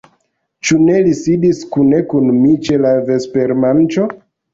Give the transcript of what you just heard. Ĉu ne li sidis kune kun mi ĉe la vespermanĝo?